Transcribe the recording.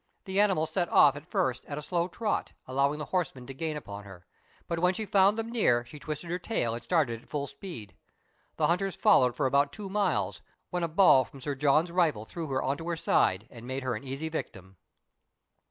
The animal set off at first at a slow trot, allowing the horsemen to gain upon her ; but when she found them near, she twisted her tail, and started at full speed. The hunters followed for about two miles, when a ball from Sir John's rifle threw her on to her side, and made her an easy victim.